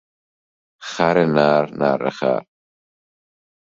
خر نر، نره خر